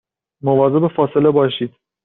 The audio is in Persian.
مواظب فاصله باشید